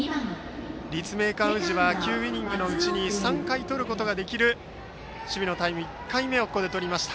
立命館宇治は９イニングのうちに３回とることができる守備のタイム１回目をとりました。